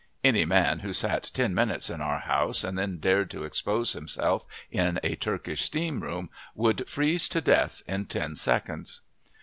Any man who sat ten minutes in our house and then dared to expose himself in a Turkish steam room would freeze to death in ten seconds.